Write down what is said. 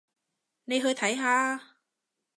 你去睇下吖